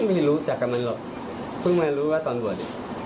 ไม่รู้จากกันเลยพึ่งมารู้ว่าตอนบ่วน